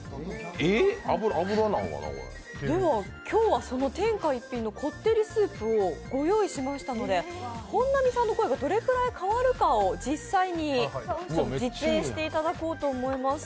では今日はその天下一品のこってりスープをご用意しましたので本並さんの声がどれぐらい変わるかを実際に実演していただきたいと思います。